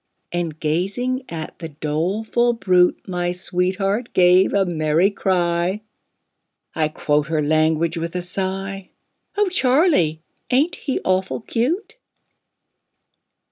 And gazing at the doleful brute My sweetheart gave a merry cry I quote her language with a sigh "O Charlie, ain't he awful cute?"